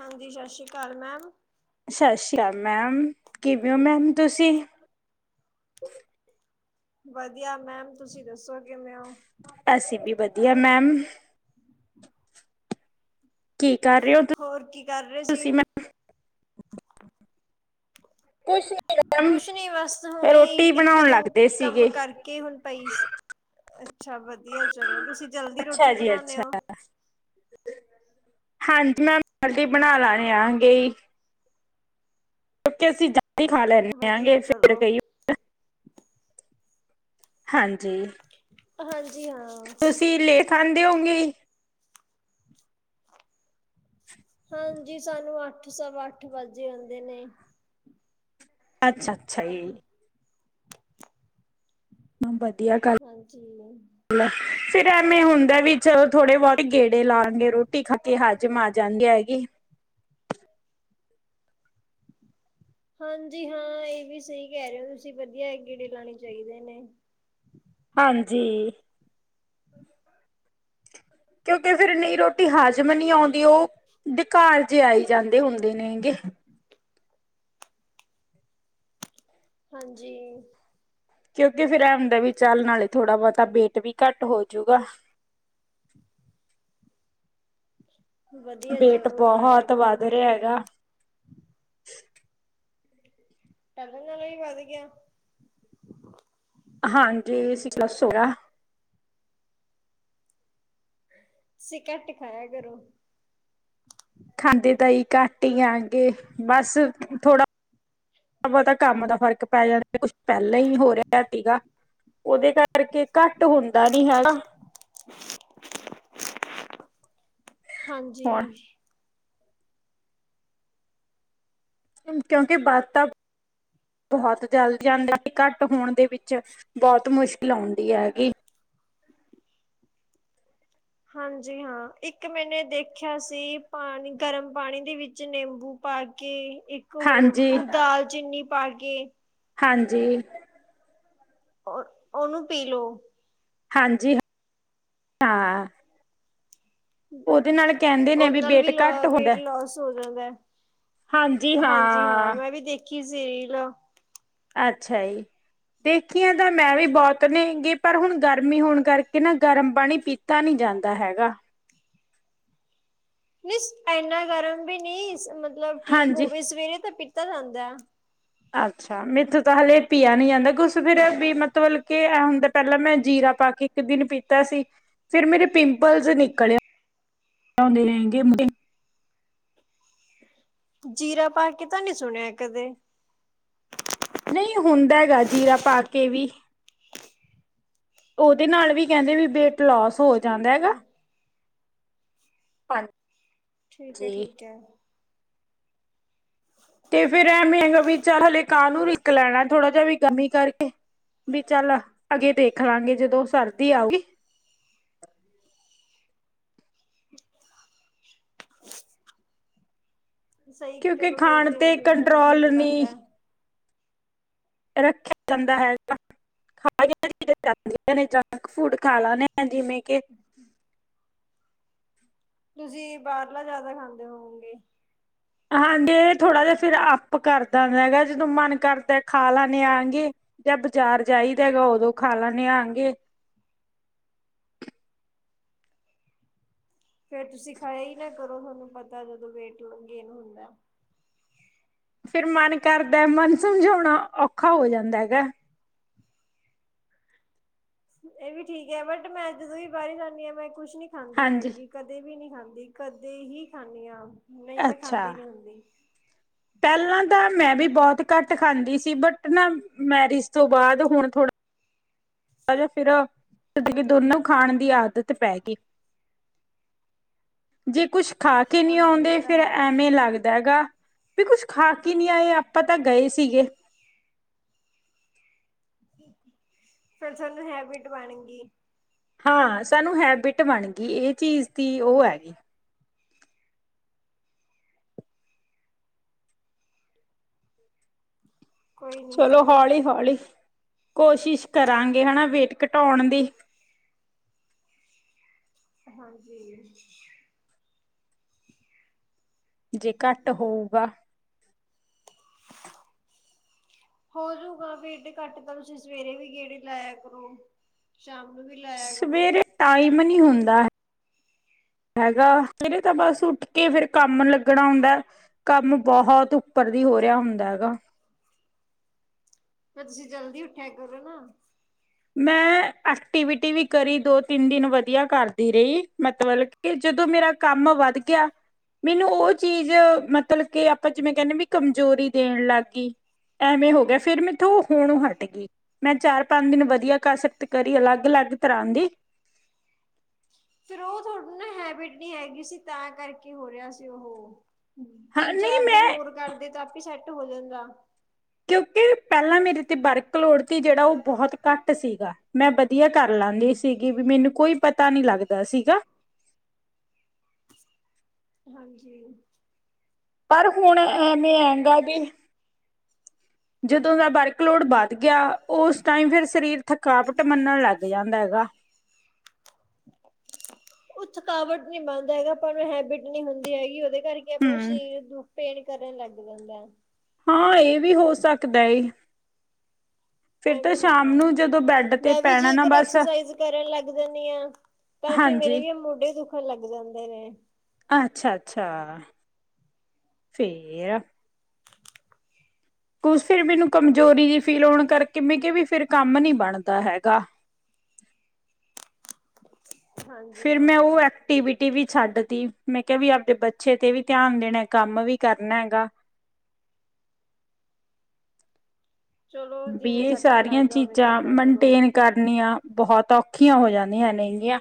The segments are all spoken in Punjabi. ਹਾਂਜੀ, ਸਤਿ ਸ਼੍ਰੀ ਅਕਾਲ, ਮੈਮ। ਸਸ਼ੀ ਕਾਲ ਮੈਮ, ਕਿਵੇਂ ਹੋ, ਮੈਮ ਤੁਸੀਂ? ਵਧੀਆ ਮੈਮ, ਤੁਸੀਂ ਦੱਸੋ ਕਿਵੇਂ ਹੋ? ਅਸੀ ਵੀ, ਵਧੀਆ ਮੈਮ। ਕੀ ਕਰ ਰਹੇ ਹੋ, ਹੋਰ ਕੀ ਕਰ ਰਹੇ ਸੀ ਤੁਸੀਂ ਮੈਮ? ਕੁਛ ਨੀ ਮੈਮ ਕੁਛ ਨੀ ਬੱਸ ਹੁਣੇ, ਰੋਟੀ ਬਣਾਉਣ ਇੱਕ-ਦੋ ਲੱਗਦੇ ਕੰਮ ਸੀਗੇ ਕਰ ਕੇ ਹੁਣ ਪਈ ਸੀ, ਅੱਛਾ ਵਧੀਆ ਚਲੋ, ਤੁਸੀਂ ਜਲਦੀ ਅੱਛਾ ਰੋਟੀ ਜੀ ਬਣਾਂਨੇ ਅੱਛਾ ਓ? ਹਾਂਜੀ, ਮੈਮ ਮਲਟੀ ਬਣਾ ਲੈਣੇ ਆ ਗਈ ਕਿਉਂਕਿ ਅਸੀਂ ਜਲਦੀ ਖਾ ਲੈਂਨੇ ਆ ਗੇ ਵਧੀਆ ਚਲੋ [unintelligible] ਹਾਂਜੀ। ਹਾਂਜੀ-ਹਾਂ। ਤੁਸੀਂ ਲੇਟ ਖਾਂਦੇ ਹੋਂਗੇ ਈ। ਹ ਹਾਂਜੀ, ਸਾਨੂੰ ਅੱਠ, ਸਵਾ-ਅੱਠ ਵੱਜ ਜਾਂਦੇ ਨੇ। ਅੱਛਾ-ਅੱਛਾ, ਈ। ਵਧੀਆ ਗੱਲ ਹਾਂਜੀ ਫਿਰ ਐਵੇਂ ਹੁੰਦਾ ਵੀ, ਚਲੋ ਥੋੜੇ-ਬਹੁਤ ਗੇੜੇ ਲਾਲਾਂਗੇ ਰੋਟੀ ਖਾ ਕੇ, ਹਾਜਮ ਆ ਜਾਂਦੀ ਹੈਗੀ। ਹਾਂਜੀ-ਹਾਂ, ਇਹ ਵੀ ਸਹੀ ਕਹਿ ਰਹੇ ਹੋ ਤੁਸੀਂ, ਵਧੀਆ ਏ ਗੇੜੇ ਲਾਣੇ ਚਾਹੀਦੇ ਨੇ। ਹਾਂਜੀ। ਕਿਉਂਕਿ, ਫਿਰ ਨਹੀਂ ਰੋਟੀ ਹਾਜ਼ਮ ਨਹੀਂ ਆਉਂਦੀ ਓਉ ਡ੍ਹਕਾਰ ਜੇ ਆਈ ਜਾਂਦੇ ਹੁੰਦੇ ਨੇਂ, ਗੇ। ਹਾਂਜੀ। ਕਿਉਂਕਿ ਫਿਰ ਐਂ ਹੁੰਦਾ ਵੀ ਚੱਲ, ਨਾਲੇ ਥੋੜਾ ਬਹੁਤਾ ਬੇਟ ਵੀ ਘੱਟ ਹੋਜੂਗਾ। [inaudible] ਵਧੀਆ ਬੇਟ ਚਲੋ ਲਾਇਆ ਬਹੁਤ ਕਰੋ ਵੱਧ ਰਿਹਾ ਗੇੜੇ ਹੈਗਾ। ਪਹਿਲਾਂ ਨਾਲੋਂ ਵੀ ਵੱਧ ਗਿਆ? ਹਾਂਜੀ, ਅੱਸੀ ਪਲੱਸ ਹੋਗਾ। ਸੀ ਕੱਟ ਖਾਇਆ ਕਰੋ। ਖਾਂਦੇ ਤਾਂ ਹੀ, ਘੱਟ ਹੀ ਆਗੇ। ਬਸ ਥੋੜਾ, ਬਹੁਤਾ ਕੰਮ ਦਾ ਫ਼ਰਕ ਪੈ ਜਾਣਾ, ਕੁਛ ਪਹਿਲਾਂ ਹੀ ਹੋ ਰਿਹਾ ਸੀਗਾ। ਉਹਦੇ ਕਰਕੇ ਘੱਟ ਹੁੰਦਾ ਨੀ ਹੈਗਾ। ਹਾਂਜੀ। ਹੁਣ ਹੁਣ ਕਿਉਂਕਿ ਬਾਦ ਤਾਂ। ਬਹੁਤ ਜਲਦ ਜਾਂਦਾ। ਘੱਟ ਹੋਣ ਦੇ ਵਿੱਚ ਬਹੁਤ ਮੁਸ਼ਕਿਲ ਆਉਂਦੀ ਹੈਗੀ। ਹਾਂਜੀ ਹਾਂ। ਇੱਕ ਮੈਨੇ ਦੇਖਿਆ ਸੀ, ਪਾਣੀ ਗਰਮ ਪਾਣੀ ਦੇ ਵਿੱਚ ਨਿੰਬੂ। ਪਾ ਕੇ, ਇੱਕ ਹੋਰ ਹਾਂਜੀ ਦਾਲਚੀਨੀ ਪਾ ਕੇ, ਹਾਂਜੀ। ਉਹ ਉਹਨੂੰ ਪੀ ਲੋਓ। ਹਾਂਜੀ, ਹ- ਹਾਂ ਨਾਲ ਕਹਿੰਦੇ ਨੇ ਉਹਦੇ ਨਾਲ ਵੇਟ ਵੀ, ਲੋ ਘੱਟ ਵੇਟ ਹੁੰਦਾ ਲੋਸ ਹੋ ਜਾਂਦਾ ਹੈ। ਹਾਂਜੀ ਹਾਂ, ਮੈਂ ਵੀ ਦੇਖੀ ਸੀ, ਰੀਲ। ਅੱਛਾ ਜੀ। ਦੇਖੀਆਂ ਤਾਂ ਮੈਂ ਵੀ ਬਹੁਤ ਨੇਗੀ। ਪਰ ਹੁਣ ਗਰਮੀ ਹੋਣ ਕਰਕੇ ਨਾ ਗਰਮ ਪਾਣੀ ਪੀਤਾ ਤਾਂ ਨਹੀਂ ਜਾਂਦਾ ਹੈਗਾ। ਨਹੀਂ ਇਨਾ ਗਰਮ ਵੀ ਨਹੀਂ, ਮਤਲਬ ਠੀਕ ਹਾਂਜੀ ਹੋਵੇ ਸਵੇਰੇ ਤਾਂ ਪੀਤਾ ਜਾਂਦਾ। ਅੱਛਾ ਮੇਥੋ ਤਾਂ ਹਲੇੇ ਪੀਆ ਨੀ ਜਾਂਦਾ। ਕੁੁਛ ਸਵੇਰੇ ਫੇਰ ਵੀ ਮਤਲਬ ਕੇ ਇਹ ਹੁੰਦਾ। ਪਹਿਲਾਂ ਮੈਂ ਜੀਰਾ ਪਾ ਕੇ ਇੱਕ ਦਿਨ ਪੀ ਤਾ ਸੀ, ਫੇਰ ਮੇਰੇ ਪਿੰਪਲਸ ਨਿਕਲਿਆ ਆਉਂਦੇ ਹੇਗੇ। ਜੀਰਾ ਪਾ ਕੇ ਤਾਂ, ਨੀ ਸੁਣਿਆ ਕਦੇ ਨਈ ਹੁੰਦਾ ਹੈਗਾ, ਜੀਰਾ ਪਾ ਕੇ ਵੀ ਉਦੇ ਨਾਲ ਵੀ ਕੇਂਦੇ ਵੀ ਬੇਟ ਲੋਸ ਹੋ ਜਾਂਦਾ ਠੀਕ ਏ। ਪਰ, ਠੀਕ ਐ-ਠੀਕ ਐ। ਤੇ ਫੇਰ ਐ ਮੇਂਨੂ ਵੀ ਚਲ ਹਲੇ ਕਾਹ ਨੂੰ ਰਿਕ ਲੈਣਾ, ਥੋੜਾ ਜਿਹਾ ਵੀ ਗਮੀ ਕਰਕੇ। ਵੀ ਚਲ ਆਗੇ ਦੇਖ ਲਾਂਗੇ ਜਦੋਂ ਸਰਦੀ ਆਊਗੀ। [unintelligible] ਸਹੀ, ਕਿਉਂਕਿ ਚਲੋ ਦੇਖ ਖਾਣ ਲਓ ਤੇ ਜਿਵੇਂ ਤੁਹਨੂੰ ਠੀਕ ਕੰਟਰੋਲ ਨਹੀਂ ਲੱਗਦਾ। ਰੱਖਿਆ ਜਾਂਦਾ ਹੈਗਾ। ਚ [unintelligible] ਜਾਂਦੀਆਂ ਨੇ ਜੰਕ ਫੂਡ ਖਾ ਲ ਜਿਵੇਂ ਕਿ ਤੁਸੀਂ ਬਾਹਰਲਾ ਜਿਆਦਾ ਖਾਂਦੇ ਹੋਓਗੇ। ਹਾਂਜੀ ਥੋੜਾ ਜਿ ਫੇਰ ਅੱਪ ਕਰਦਾ ਹੈਗਾ। ਜਦੋਂ ਮਨ ਕਰਦਾ ਖਾ ਲੈਣੇ ਆਗੇ। ਜਾਂ ਬਾਜ਼ਾਰ ਜਾਈਦਾ ਹੈਗਾ, ਉਦੋਂ ਖਾ ਲਿਆ ਆਗੇ। ਫੇਰ ਤੁਸੀਂ ਖਾਇਆ ਹੀ ਨਾ ਕਰੋ, ਤੁਹਾਨੂੰ ਪਤਾ ਜਦੋਂ ਵੇਟ ਗੇਨ ਹੁੰਦਾ। ਫੇਰ ਮਨ ਕਰਦਾ, ਮਨ ਸਮਝਾਉਣਾ ਔਖਾ ਹੋ ਜਾਂਦਾ ਹੈਗਾ। ਇਹ ਵੀ ਠੀਕ ਹੈ। ਬਟ ਮੈਂ ਜਦੋਂ ਵੀ ਬਾਹਰੀ ਜਾਂਦੀ ਹਾਂ, ਮੈਂ ਕੁਛ ਨੀ ਖਾਂਦੀ ਹਾਂਜੀ ਹੈਗੀ। ਕਦੇ ਵੀ ਨਹੀਂ ਖਾਂਦੀ, ਕਦੇ ਹੀ ਖਾਂਦੀ ਹ ਨਹੀਂ ਮੈਂ ਖਾਂਦੀ ਨੀ ਹੁੰਦੀ। ਪੈਹਲਾਂ ਤਾਂ ਮੈਂ ਵੀ ਬਹੁਤ ਘੱਟ ਖਾਂਦੀ ਸੀ। ਬਟ ਨਾ ਮੈਰਿਜ ਤੋਂ ਬਾਦ ਹੁਣ ਥੋੜਾ। ਅਰ ਫੇਰ ਦੋਨੋਂ ਖਾਣ ਦੀ ਆਦਤ ਪੈਗੀ। ਜੇ ਕੁਛ ਖਾ ਕੇ ਨੀ ਹਾਂਜੀ ਇਹ ਆਉਂਦੇ, ਤਾਂ ਫੇਰ ਹੈ। ਐਵੇਂ ਲੱਗ ਦਾ ਹੈਗਾ ਵੀ ਕੁਛ ਖਾ ਕੇ ਨੀ ਆਏ, ਆਪਾਂ ਤਾਂ ਗਏ ਸੀਗੇ। ਫੇਰ ਸਾਨੂੰ ਹੈਬਿਟ ਬਣ ਗੀ। ਹਾਂ ਸਾਨੂੰ ਹੈਬਿਟ ਬਣ ਗੀ। ਇਹ ਚੀਜ਼ ਦੀ ਉਹ ਹੈਗੀ। ਕੋਈ ਨੀ ਚਲੋ ਹੌਲੀ-ਹੌਲੀ ਕੋਸ਼ਿਸ਼ ਕਰਾਂਗੇ, ਹੈਣਾ ਵੇਟ ਘਟਾਉਣ ਦੀ। ਹਾਂਜੀ। ਜੇ ਘੱਟ ਹੋਊਗਾ। ਹੋਜੂਗਾ ਵੇਟ ਘੱਟ ਤਾਂ ਤੁਸੀਂ ਸਵੇਰੇ ਵੀ ਗੇੜੇ ਲਾਇਆ ਕਰੋ ਸ਼ਾਮ ਨੂੰ ਵੀ ਲੱ ਸਵੇਰੇ ਟਾਈਮ ਨੀ ਹੁੰਦਾ ਹੈਗਾ ਸਵੇਰੇ ਤਾਂ ਬਸ ਉੱਠ ਕੇ ਫੇਰ ਕੰਮ ਲੱਗਣਾ ਹੁੰਦਾ ਏ ਕੰਮ ਬਹੁਤ ਉੱਪਰ ਦੀ ਹੋ ਰਿਹਾ ਹੁੰਦਾ ਹੈਗਾ ਫੇਰ ਤੁਸੀਂ ਜਲਦੀ ਉੱਠਿਆ ਕਰੋ ਨਾ ਮੈਂ ਐਕਟੀਵਿਟੀ ਵੀ ਕਰੀ ਦੋ ਤਿੰਨ ਦਿਨ ਵਧੀਆ ਕਰਦੀ ਰਹੀ ਮਤਬਲ ਕੇ ਜਦੋਂ ਮੇਰਾ ਕੰਮ ਵੱਧ ਗਿਆ ਮੈਨੂੰ ਉਹ ਚੀਜ਼ ਮਤਲਬ ਕੇ ਆਪਾਂ ਜਿਵੇਂ ਕਹਿੰਦੇ ਵੀ ਕਮਜ਼ੋਰੀ ਦੇਣ ਲੱਗਗੀ। ਐਵੇਂ ਹੋ ਗਿਆ ਫੇਰ ਮੈਥੋਂ ਹੋਣੋਂ ਹੱਟਗੀ ਮੈਂ ਚਾਰ ਪੰਜ ਦਿਨ ਵ ਆ ਕਸਰਤ ਕਰੀ ਅਲੱਗ-ਅਲੱਗ ਤਰ੍ਹਾਂ ਦੀ ਫੇਰ ਉਹ ਤੁਹਾਡੂੰ ਨਾ ਹੈਬਿਟ ਨੀ ਹੈਗੀ ਸੀ ਤਾਂ ਕਰਕੇ ਹੋ ਰਿਹਾ ਸੀ ਉਹ ਹਾਂ ਤਿੰਨ ਨਹੀਂ ਚਾਰ ਦਿਨ ਮੈਂ ਹੋਰ ਕਰਦੇ ਤਾਂ ਆਪੀ ਸੈਟ ਹੋ ਜਾਂਦਾ ਕਿਉਂਕਿ ਪਹਿਲੇ ਮੇਰੇ ਤੇ ਵਰਕ ਲੋੜ ਤੀ ਜਿਹੜਾ ਉਹ ਬਹੁਤ ਘੱਟ ਸੀਗਾ ਮੈਂ ਬਚ ਵਧੀਆ ਕਰ ਲਾਂਦੀ ਸੀਗੀ ਵੀ ਮੈਨੂੰ ਕੋਈ ਪਤਾ ਨੀ ਲੱਗਦਾ ਸੀਗਾ ਹਾਂਜੀ ਪਰ ਹੁਣ ਐਵੇਂ ਹੈਂਗਾ ਵੀ ਜਦੋਂ ਦਾ ਵਰਕਲੋਡ ਵੱਧ ਗਿਆ ਉਸ ਟਾਈਮ ਫਿਰ ਸਰੀਰ ਥਕਾਵਟ ਮੰਨਣ ਲੱਗ ਜਾਂਦਾ ਗਾ। ਉਹ ਥਕਾਵਟ ਨਹੀਂ ਬਣਦਾ ਹੈਗਾ ਪਰ ਉਹ ਹੈਬਿਟ ਨਹੀਂ ਹੁੰਦੀ ਹੈਗੀ ਉਹਦੇ ਕਰਕੇ ਆਪਣਾ ਹੂੰ ਸਰੀਰ ਦੁ ਪੇਣ ਕਰਨ ਲੱਗ ਜਾਂਦਾ। ਹਾਂ ਇਹ ਵੀ ਹੋ ਸਕਦਾ ਜੀ। ਐਵੇਂ ਹੁੰਦਾ ਨੂੰ ਜਦੋਂ ਬੈਡ ਤੇ ਮੈਂ ਵੀ ਪੈਣਾ ਨਾ ਜੇਕਰ ਬਸ ਐਕਸਰਸਾਈਜ਼ ਕਰਨ ਲੱਗ ਜਾਣੀ ਆ। ਤਾਂ ਫੇਰ ਮੇਰੇ ਹਾਂਜੀ ਵੀ ਮੋਢੇ ਦੁੱਖਣ ਲੱਗ ਜਾਂਦੇ ਨੇ। ਅੱਛਾ ਅੱਛਾ ਫੇਰ ਕੁਛ ਫਿਰ ਮੈਨੂੰ ਕਮਜ਼ੋਰੀ ਦੀ ਫੀਲ ਹੋਣ ਕਰਕੇ ਮੈਂ ਕਿਹਾ ਵੀ ਫਿਰ ਕੰਮ ਨੀ ਬਣਦਾ ਹੈਗਾ। ਹਾਂਜੀ ਫਿਰ ਮੈਂ ਉਹ ਹਾਂ। ਐਕ ਐਟੀਵਟੀ ਵੀ ਛੱਡ ਤੀ ਮੈਂ ਕਿਹਾ ਵੀ ਆਪਦੇ ਬੱਚੇ ਤੇ ਵੀ ਧਿਆਨ ਦੇਣਾ ਕੰਮ ਵੀ ਕਰਨਾ ਹੈਗਾ। ਚਲੋ ਵੀ ਜਿਵੇਂ ਇਹ ਸੱਟ ਸਾਰੀਆਂ ਲੱਗਦਾ ਉਵੇਂ ਕਰ ਚੀਜ਼ਾਂ ਲਿਆ ਕਰੋ ਮੇਨਟੇਨ ਕਰਨੀਆਂ ਬਹੁਤ ਔਖੀਆਂ ਹੋ ਜਾਂਦੀਆਂ ਨੇਗੀਆਂ।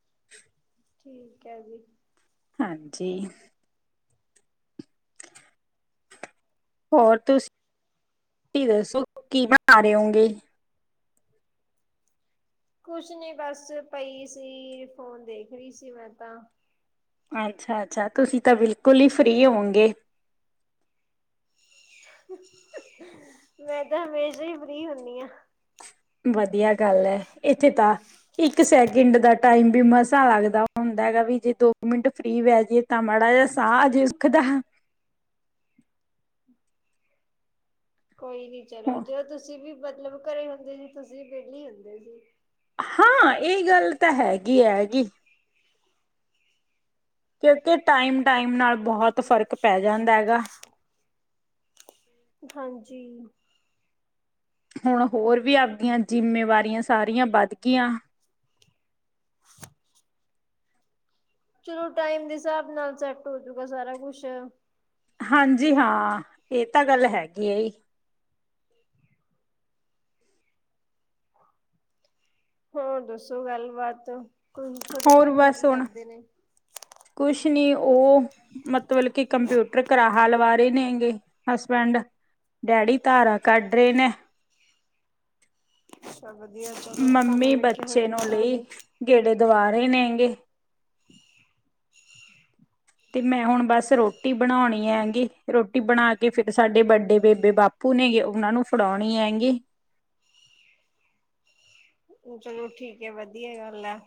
[inaudible] ਠੀਕ ਐ ਜੀ। ਹਾਂਜੀ ਹੋਰ ਤੁਸੀਂ ਦੱਸੋ ਕੀ ਬਣਾ ਰਏ ਹੋਗੇ? ਕੁਛ ਨੀ ਬਸ ਪਈ ਸੀ ਫੋਨ ਦੇਖ ਰੀ ਸੀ ਮੈਂ ਤਾਂ ਅੱਛਾ-ਅੱਛਾ ਤੁਸੀਂ ਤਾਂ ਬਿਲਕੁਲ ਈ ਫ੍ਰਰੀ ਓ ਗੇ। ਮੈਂ ਤਾਂ ਹਮੇਸ਼ਾ ਹੀ ਫਰੀ ਹੁੰਨੀ ਆ। ਵਧੀਆ ਗੱਲ ਐ ਇਥੇ ਤਾਂ ਇੱਕ ਸੈਕਿੰਡ ਦਾ ਟਾਈਮ ਵੀ ਮਸਾਂ ਲੱਗਦਾ ਹੁੰਦਾ ਹੈਗਾ ਵੀ ਜੇ ਦੋ ਮਿੰਟ ਫਰੀ ਵਹਿ ਜੇ ਤਾਂ ਮਾੜਾ ਜਾ ਸਾਹ ਆਜੇ ਸੁਖ ਦਾ ਕੋਈ ਨੀ ਚਲੋ ਜੋ ਤੁਸੀਂ ਵੀ ਮਤਲਬ ਘਰੇ ਹੁੰਦੇ ਸੀ ਤੁਸੀਂ ਵਿਹਲੀ ਹੁੰਦੇ ਸੀ ਹਾਂ ਇਹ ਗੱਲ ਤਾਂ ਹੈਗੀ ਐ ਗੀ ਕਿਉਂਕਿ ਟਾਈਮ-ਟਾਈਮ ਨਾਲ ਬਹੁਤ ਫ਼ਰਕ ਪੈ ਜਾਂਦਾ ਗਾ ਹਾਂਜੀ, ਹੁਣ ਹੋਰ ਵੀ ਆਪਗੀਆਂ ਜਿੰਮੇਵਾਰੀਆਂ ਸਾਰੀਆਂ ਵੱਧ ਗਈਆਂ। [inaudible] ਚਲੋ ਟਾਈਮ ਦੇ ਹਿਸਾਬ ਨਾਲ ਸੈਟ ਹੋਜੂਗਾ ਸਾਰਾ ਕੁਛ ਹਾਂਜੀ ਹਾਂ ਇਹ ਤਾਂ ਗੱਲ ਹੈਗੀ ਆ ਜੀ। ਹਾਂ, ਹੋਰ ਦੱਸੋ ਗੱਲ ਬਾਾਤ ਤੁਹਾਡੇ ਹੋਰ ਘਰ ਦੇ ਬਸ ਕੀ ਹੁਣ ਕਰਦੇ ਨੇ। ਕੁਛ ਨੀ ਓ, ਮਤਲਬ ਕਿ ਕੰਪਿਊਟਰ ਕਰਰਾ ਹ ਲਵਾ ਰਏ ਨੇਗੇ ਹਸਬੈਂਡ ਡੈਡੀ ਧਾਰਾ ਕੱਢ ਰਏ ਨੇ। ਅੱਛਾ ਵਦੀਆ ਮੰਮੀ ਬੱਚੇ ਨੂੰ ਲਈ ਗੇੜੇ ਦਵਾ ਰਹੇ ਨੇਗੇ। [inaudible] ਤੇ ਮੈਂ ਹੁਣ ਬਸ ਰੋਟੀ ਬਣਾਉਣੀ ਐਂਗੀ, ਰੋਟੀ ਬਣਾ ਕੇ ਫਿਰ ਸਾਡੇ ਵੱਡੇ ਬੇਬੇ ਬਾਪੂ ਨੇ ਜੇ ਉਨਾ ਨੂੰ ਫੜਾਉਣੀ ਹੈਂਗੀ। ਚਲੋ ਠੀਕ ਐ ਵਧੀਆ ਗੱਲ ਐ।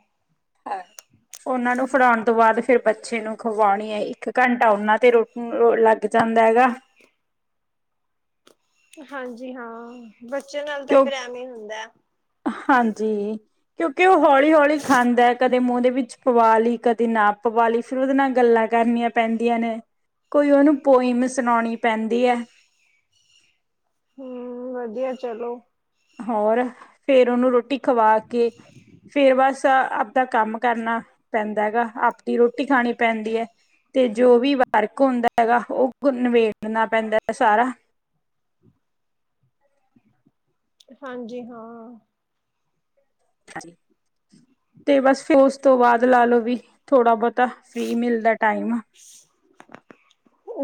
ਉਹਨਾਂ ਨੂੰ ਫੜਾਉਣ ਤੋਂ ਬਾਦ ਫਿਰ ਬੱਚੇ ਨੂੰ ਖਵਾਉਣੀ ਐ ਇੱਕ ਘੰਟਾ ਓਨਾਂ ਤੇ ਰੋ [unintelligible] ਲੱਗ ਜਾਂਦਾ ਹੈਗਾ। ਹਾਂਜੀ ਹਾਂ ਬੱਚੇ ਨਾਲ ਤਾਂ ਕਿਉਂ ਫੇਰ ਐਵੇਂ ਈ ਹੁੰਦਾ ਐ। ਹਾਂਜੀ, ਕਿਉਂਕਿ ਉਹ ਹੌਲੀ ਹੌਲੀ ਖਾਂਦਾ ਐ ਕਦੇ ਮੂੰ ਦੇ ਵਿੱਚ ਪਵਾ ਲਈ ਕਦੇ ਨਾ ਪਵਾਲ ਲਈ ਫਿਰ ਓਦੇ ਨਾਲ ਗੱਲਾਂ ਕਰਨੀਆਂ ਪੈਂਦੀਆਂ ਨੇ। ਕੋਈ ਓ ਨੂੰ ਪੋਇਮ ਸੁਣੋਣੀ ਪੈਂਦੀ ਐ। ਹੂੰ ਵਧੀਆ ਚਲੋ। ਹੋਰ, ਫੇਰ ਓਨੂੰ ਰੋਟੀ ਖਵਾ ਕੇ ਫੇਰ ਬਸ ਆਪਦਾ ਕੰਮ ਕਰਨਾ ਪੈਂਦਾ ਹੈਗਾ ਆਪਣੀ ਰੋਟੀ ਖਾਣੀ ਪੈਂਦੀ ਐ। ਤੇ ਜੋ ਵੀ ਵਰਕ ਹੁੰਦਾ ਹੈਗਾ ਓ ਨਿਬੇੜਨਾ ਪੈਂਦਾ ਹੈ ਸਾਰਾ। ਹਾਂਜੀ ਹਾਂ। [inaudible] ਤੇ ਬਸ ਫੇ ਉਸ ਤੋਂ ਬਾਦ ਲਾ ਲੋ ਵੀ, ਥੋੜਾ ਬਹੁਤਾ ਫ੍ਰੀ ਮਿਲਦਾ ਟਾਈਮ।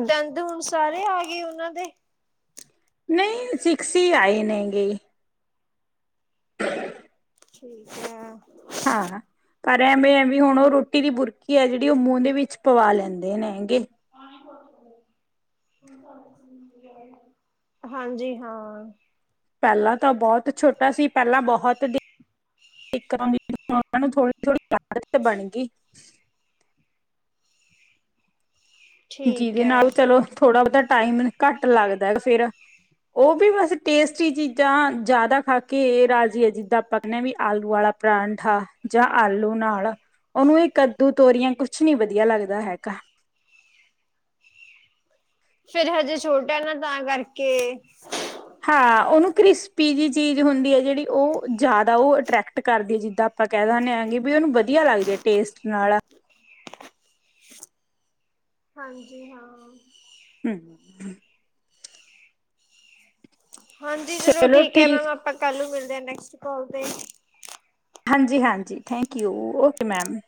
ਦੰਦ ਹੁ ਸਾਰੇ ਆ ਗੇ ਉਨਾਂ ਦੇ? ਨਹੀਂ ਸਿਕਸ ਈ ਆਏ ਨੇ ਗੇ। ਠੀਕ ਐ। ਹਾਂ ਪਰ ਐਵੇਂ ਆ ਵੀ ਹੁਣ ਓ ਰੋਟੀ ਦੀ ਬੁਰਕੀ ਐ ਜੇੜੀ ਓ ਮੂੰ ਦੇ ਵਿਚ ਪਵਾ ਲੈਂਦੇ ਨੇ ਹੈਂਗੇ। [unintelligible] [unintelligible] ਹਾਂਜੀ ਹਾਂ। ਪੈਲਾਂ ਤਾਂ ਬਹੁਤ ਛੋਟਾ ਸੀ ਪਹਿਲਾਂ ਬਹੁਤ [unintelligible] ਠੀਕ ਜੀਦੇ ਹੈ ਨਾਲ ਚਲੋ, ਥੋੜਾ ਬਾ ਟਾਈਮ ਘੱਟ ਲੱਗਦਾ ਹੈ ਫੇਰ। ਓ ਵੀ ਬਸ ਟੇਸਟੀ ਚੀਜ਼ਾਂ ਯਾਦਾ ਖਾ ਕੇ ਰਾਜੀ ਅ ਜਿੱਦਾਂ ਆਪਾਂ ਕਹਿੰ ਵੀ ਆਲੂ ਵਾਲਾ ਪਰਾਂਠਾ ਜਾਂ ਆਲੂ ਨਾਲ। ਉਨੂੰ ਏ ਕੱਦੂ ਤੋਰੀਆਂ ਕੁਛ ਨੀ ਵਧੀਆ ਲੱਗਦਾ ਹੈਗਾ। ਫੇਰ ਹਜੇ ਛੋਟਾ ਏ ਨਾ ਤਾਂ ਕਰਕੇ ਹਾਂ ਉਹਨੂੰ ਕ੍ਰਿਸਪੀ ਜ ਚੀਜ਼ ਹੁੰਦੀ ਐ ਜੇੜੀ ਓ ਜਾਦਾ ਉਹ ਅ੍ਰੈਕਟ ਟ ਕਰਦੀਏ ਜਿੱਦਾਂ ਆਪਾਂ ਕੈ ਦੇਂਨੇ ਹਾਂਗੇ ਵ ਓਨੂੰ ਬਦੀਆ ਲੱਗਦੀ ਆ ਟੇਸਟ ਨਾਲ ਹਾਂਜੀ ਹਾਂ। ਹੂੰ। ਹਾਂਜੀ ਚਲੋ ਠੀਕ ਐ ਮੈਮ ਆਪਾਂ ਕਲ ਮਿਲਦੇ ਆ ਨੈਕਸਟ ਕਾਲ ਤੇ। ਹਾਂਜੀ -ਹਾਂਜੀ ਥੈਂਕੀਉ ਓਕੇ ਮੈਮ।